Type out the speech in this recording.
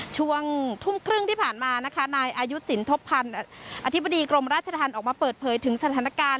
ช่วงทุ่มครึ่งที่ผ่านมานะคะนายอายุสินทบพันธ์อธิบดีกรมราชธรรมออกมาเปิดเผยถึงสถานการณ์